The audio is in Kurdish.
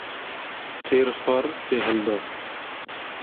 Têr xwar tê hilda